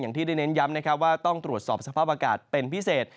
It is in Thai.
ที่ได้เน้นย้ำนะครับว่าต้องตรวจสอบสภาพอากาศเป็นพิเศษ